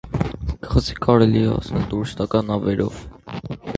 Կղզի կարելի է հասնել տուրիստական նավերով։